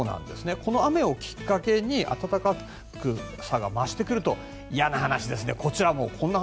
この雨をきっかけに暖かさが増してくると嫌な話ですねこちら、こんな話。